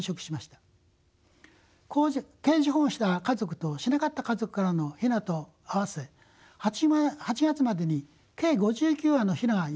ケージ保護した家族としなかった家族からの雛と合わせ８月までに計５９羽の雛が山で育ちました。